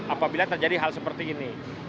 apabila terjadi hal seperti ini